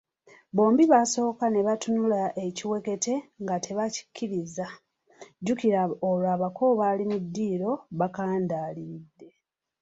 Bombi baasooka ne batunula ekiwekete nga tebakikkiriza jjukira olwo abako bali mu ddiiro bakandaaliridde!